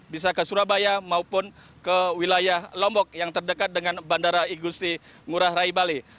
bisa ke surabaya maupun ke wilayah lombok yang terdekat dengan bandara igusti ngurah rai bali